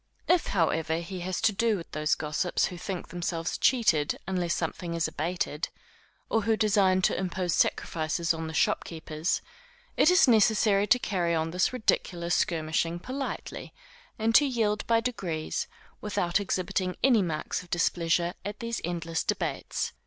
If however he has to do with those gossips who think themselves cheated unless something is abated, or who design to impose sacrifices on the shopkeepers, it is necessary to carry on this ridiculous skirmishing politely, and to yield by degrees, without exhibiting any marks of displeasure at these endless debates.